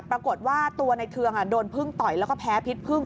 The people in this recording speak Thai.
ปรากฏว่าตัวในเทืองโดนพึ่งต่อยแล้วก็แพ้พิษพึ่ง